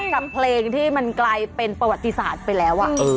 กับเพลงที่มันกลายเป็นประวัติศาสตร์ไปแล้ว